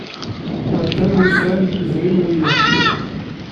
Ɛeddan wussan, zrin wiyaḍ.